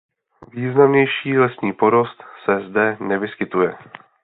Významnější lesní porost se zde nevyskytuje.